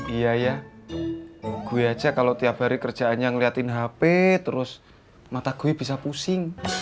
iya ya gue aja kalau tiap hari kerjaannya ngeliatin hp terus mata gue bisa pusing